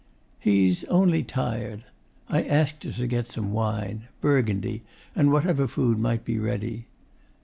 'He's only tired.' I asked her to get some wine Burgundy and whatever food might be ready.